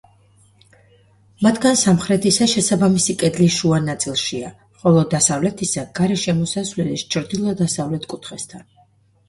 მათგან სამხრეთისა შესაბამისი კედლის შუა ნაწილშია, ხოლო დასავლეთისა გარშემოსავლელის ჩრდილო–დასავლეთ კუთხესთან.